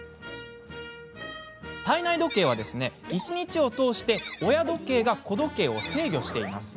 体内時計は、一日を通して親時計が子時計を制御しています。